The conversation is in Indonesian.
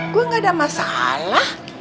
gue gak ada masalah